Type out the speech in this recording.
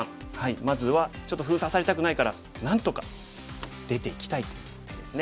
まずはちょっと封鎖されたくないからなんとか出ていきたいという手ですね。